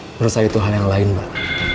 menurut saya itu hal yang lain mbak